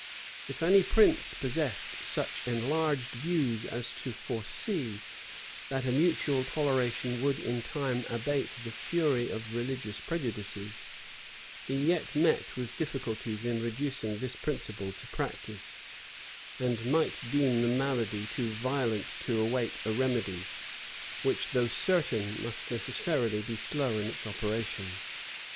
If any prince possessed such enlarged views as to foresee, that a mutual toleration would in time abate the fury of religious prejudices, he yet met with difficulties in reducing this principle to practice; and might deem the malady too violent to await a remedy, which, though certain, must necessarily be slow in its operation.